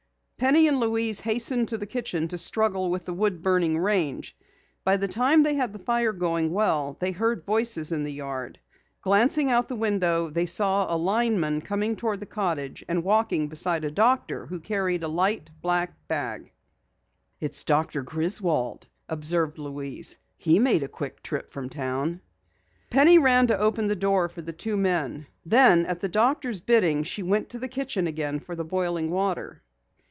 Penny and Louise hastened to the kitchen to struggle with the wood burning range. By the time they had the fire going well they heard voices in the yard. Glancing out the window they saw a lineman coming toward the cottage and walking beside a doctor who carried a light, black bag. "It's Doctor Griswold," observed Louise. "He made a quick trip from town." Penny ran to open the door for the two men. Then, at the doctor's bidding, she went to the kitchen again for the boiling water.